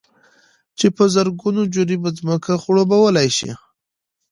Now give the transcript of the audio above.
چې په زرگونو جرېبه ځمكه خړوبولى شي،